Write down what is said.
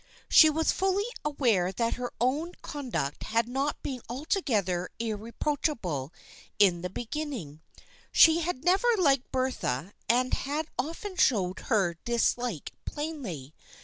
She was fully aware that her own con duct had not been altogether irreproachable in the beginning. She had never liked Bertha and had often showed her dislike plainly.